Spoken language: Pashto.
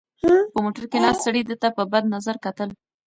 په موټر کې ناست سړي ده ته په بد نظر کتل.